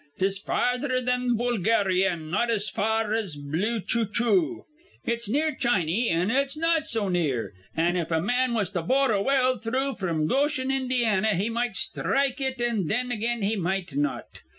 'Tis farther thin Boohlgahrya an' not so far as Blewchoochoo. It's near Chiny, an' it's not so near; an', if a man was to bore a well through fr'm Goshen, Indianny, he might sthrike it, an' thin again he might not.